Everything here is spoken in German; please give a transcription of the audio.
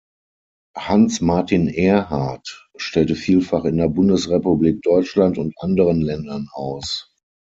Hans Martin Erhardt stellte vielfach in der Bundesrepublik Deutschland und anderen Ländern aus.